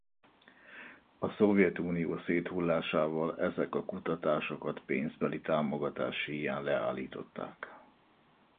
A Szovjetunió széthullásával ezek a kutatásokat pénzbeli támogatás híján leállították.